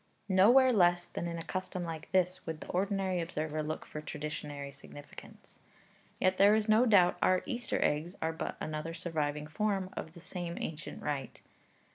' Nowhere less than in a custom like this would the ordinary observer look for traditionary significance; yet there is no doubt our Easter eggs are but another surviving form of the same ancient rite.